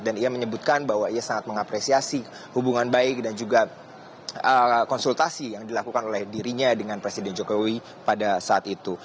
dan ia menyebutkan bahwa ia sangat mengapresiasi hubungan baik dan juga konsultasi yang dilakukan oleh dirinya dengan presiden jokowi pada saat itu